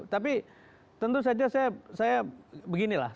tapi tentu saja saya beginilah